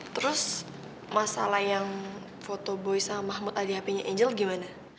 terus masalah yang foto boy sama mahmud ada di hpnya angel gimana